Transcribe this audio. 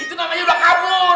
itu namanya udah kabur